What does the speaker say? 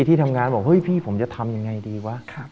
ที่ทำงานบอกเฮ้ยพี่ผมจะทำยังไงดีวะ